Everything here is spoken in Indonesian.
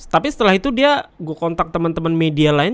tapi setelah itu dia gue kontak teman teman media lain